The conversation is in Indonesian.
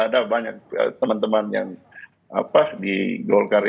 ada banyak teman teman yang di golkar itu